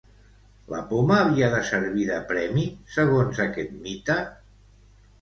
La poma havia de servir de premi, segons aquest mite?